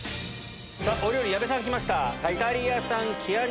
お料理矢部さんきました。